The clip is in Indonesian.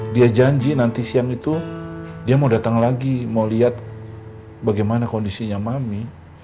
dia janji nanti siang itu dia mau datang lagi mau lihat bagaimana kondisinya mami